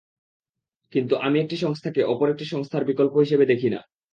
কিন্তু আমি একটি সংস্থাকে অপর একটি সংস্থার বিকল্প হিসেবে দেখি না।